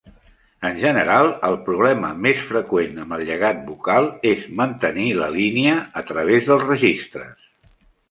En general, el problema més freqüent amb el llegat vocal és mantenir la "línia" a través dels registres.